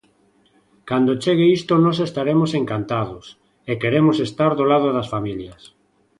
Cando chegue isto, nós estaremos encantados, e queremos estar do lado das familias.